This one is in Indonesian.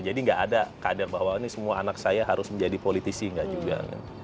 jadi enggak ada kadang kadang bahwa ini semua anak saya harus menjadi politisi enggak juga